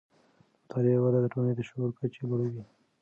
د مطالعې وده د ټولنې د شعور کچې لوړوي.